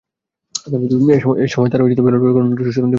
এ সময় তাঁরা ব্যালট পেপারসহ অন্যান্য সরঞ্জাম ছিনিয়ে নেওয়ার চেষ্টা করেন।